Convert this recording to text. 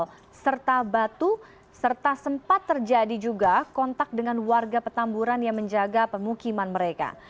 batu serta batu serta sempat terjadi juga kontak dengan warga petamburan yang menjaga pemukiman mereka